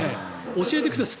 教えてください。